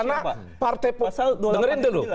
karena partai politik dengerin dulu